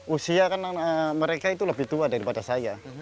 usia kan mereka itu lebih tua daripada saya